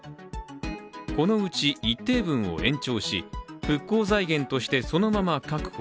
このうち一定分を延長し復興財源としてそのまま確保。